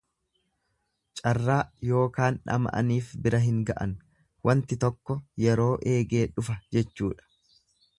Carraa ykn dhama'aniif bira hin ga'an, wanti tokko yeroo eegee dhufa jechuudha.